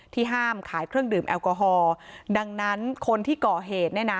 ห้ามขายเครื่องดื่มแอลกอฮอล์ดังนั้นคนที่ก่อเหตุเนี่ยนะ